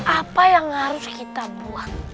apa yang harus kita buat